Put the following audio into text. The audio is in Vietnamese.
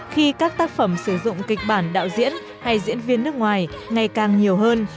khi các tác phẩm sử dụng kịch bản đạo diễn hay diễn viên nước ngoài ngày càng nhiều hơn